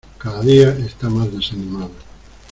Cada día está más desanimado.